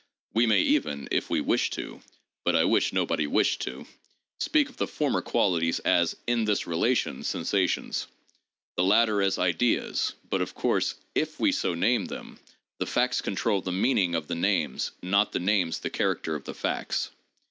We may even, if we wish to (but I wish nobody wished to), speak of the former qualities as, in this relation, sensations ; the latter as ideas — but, of course, */ we so name them the facts control the meaning of the names, not the names the character of the facts.